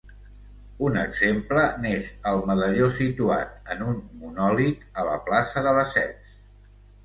Un exemple n'és el medalló situat en un monòlit a la plaça de Lesseps.